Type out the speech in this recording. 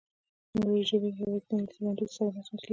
نورې ژبې یوازې د انګلیسي لنډیز سره منل کیږي.